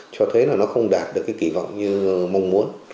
cho thấy là nó không đạt được cái kỳ vọng như mong muốn